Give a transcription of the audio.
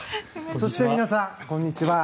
そして皆さん、こんにちは。